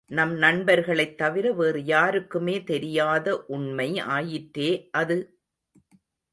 நம் நண்பர்களைத் தவிர வேறு யாருக்குமே தெரியாத உண்மை ஆயிற்றே அது?